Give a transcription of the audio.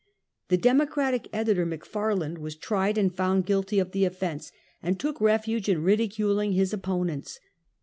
The Democratic editor, McFarland, was tried 2 18 Half a Centuet. and found guilty of tlie offense, and took revenge in ridiculing his opponents.